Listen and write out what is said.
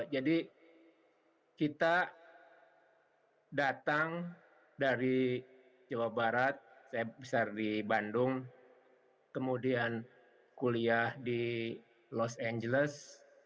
jadi kita datang dari jawa barat saya besar di bandung kemudian kuliah di los angeles